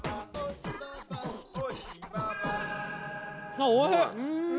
あっおいしい！